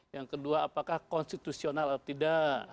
yang kedua apakah konstitusional atau tidak